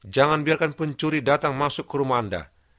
jangan biarkan pencuri datang masuk ke rumah anda